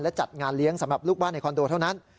และจัดงานเลี้ยงสำหรับลูกบ้านในคอนโดเท่านั้น